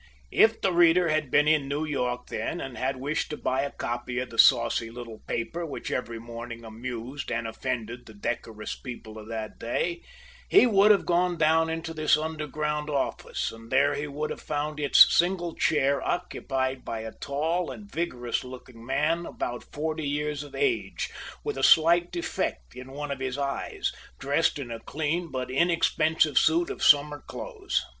If the reader had been in New York then, and had wished to buy a copy of the saucy little paper, which every morning amused and offended the decorous people of that day, he would have gone down into this underground office, and there he would have found its single chair occupied by a tall and vigorous looking man about forty years of age, with a slight defect in one of his eyes, dressed in a clean, but inexpensive suit of summer clothes.